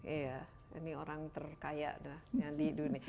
iya ini orang terkaya dah yang di dunia